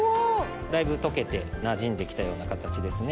だいぶ溶けてなじんできたような形ですね。